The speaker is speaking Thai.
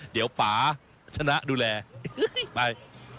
เดี๋ยวป่าชนะดูแลไป